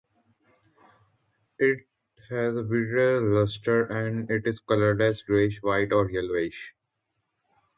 It has a vitreous luster and it is colorless, grayish-white or yellowish.